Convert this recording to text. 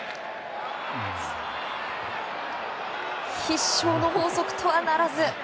必勝の法則とはならず。